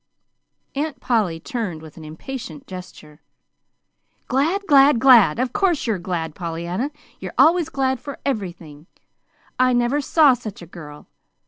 Aunt Polly turned with an impatient gesture. "Glad glad glad! Of course you're glad, Pollyanna. You're always glad for everything. I never saw such a girl.